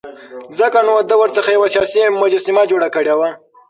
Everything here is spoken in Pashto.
ځکه نو ده ورڅخه یوه سیاسي مجسمه جوړه کړې وه.